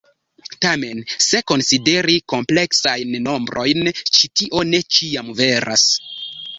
Tamen se konsideri kompleksajn nombrojn, ĉi tio ne ĉiam veras.